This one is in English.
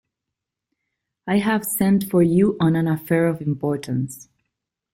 I have sent for you on an affair of importance.